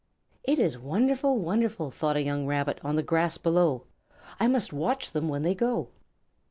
"It is wonderful, wonderful," thought a young Rabbit on the grass below. "I must watch them when they go."